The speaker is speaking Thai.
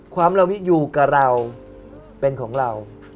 ความระวิอยู่กับเราเป็นของเรา